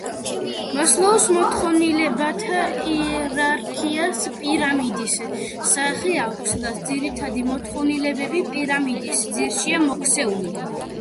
მასლოუს მოთხოვნილებათა იერარქიას პირამიდის სახე აქვს, სადაც ძირითადი მოთხოვნილებები პირამიდის ძირშია მოქცეული.